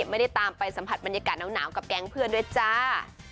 ไม่ได้ตามไปสัมผัสบรรยากาศหนาวกับแก๊งเพื่อนด้วยจ้า